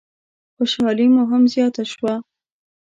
خوشحالي مو هم زیاته شوه.